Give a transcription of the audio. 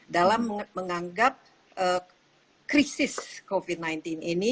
dalam menganggap krisis covid sembilan belas ini